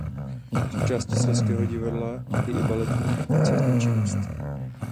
Součástí Slezského divadla je i baletní a koncertní činnost.